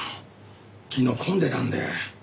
昨日混んでたんで。